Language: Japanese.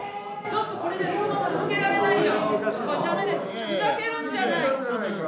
ちょっと、これでは質問続けられないよ！